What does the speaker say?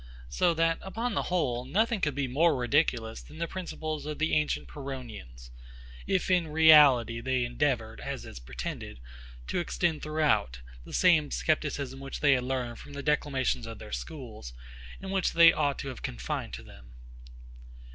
So that, upon the whole, nothing could be more ridiculous than the principles of the ancient PYRRHONIANS; if in reality they endeavoured, as is pretended, to extend, throughout, the same scepticism which they had learned from the declamations of their schools, and which they ought to have confined to them.